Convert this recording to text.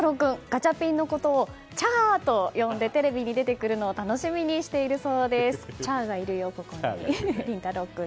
ガチャピンのことをチャーと呼んでテレビに出てくるのを楽しみにしているそうです。